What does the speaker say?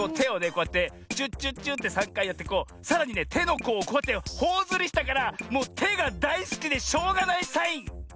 こうやってチュッチュッチュッて３かいやってこうさらにねてのこうをこうやってほおずりしたからもうてがだいすきでしょうがないサイン！